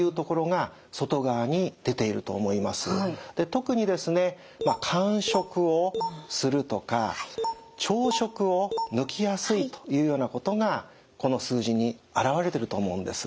特にですね間食をするとか朝食を抜きやすいというようなことがこの数字に表れてると思うんです。